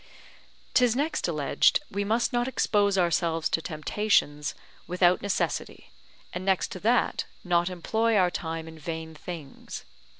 'Tis next alleged we must not expose ourselves to temptations without necessity, and next to that, not employ our time in vain things.